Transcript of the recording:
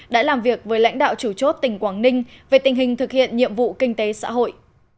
đã làm việc với lãnh đạo chủ chốt tỉnh quảng ninh về tình hình thực hiện nhiệm vụ kinh tế xã hội